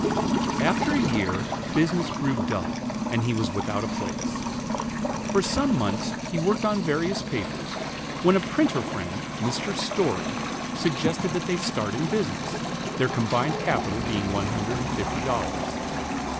After a year, business grew dull, and he was without a place. For some months he worked on various papers, when a printer friend, Mr. Story, suggested that they start in business, their combined capital being one hundred and fifty dollars.